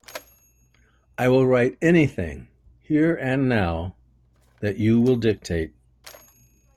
I will write anything, here and now, that you will dictate.